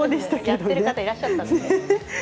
やっている方がいらっしゃったんですね。